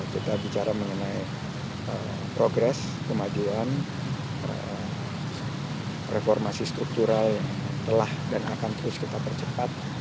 kita bicara mengenai progres kemajuan reformasi struktural telah dan akan terus kita percepat